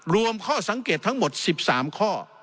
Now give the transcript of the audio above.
ข้อสังเกตทั้งหมด๑๓ข้อ